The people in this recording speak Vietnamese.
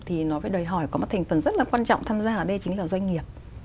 thì nó phải đòi hỏi có một thành phần rất là quan trọng tham gia ở đây chính là doanh nghiệp